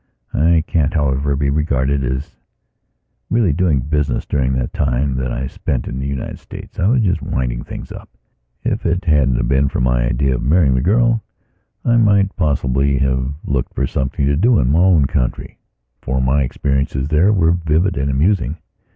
I can't, however, be regarded as really doing business during the time that I spent in the United States. I was just winding things up. If it hadn't been for my idea of marrying the girl I might possibly have looked for something to do in my own country. For my experiences there were vivid and amusing.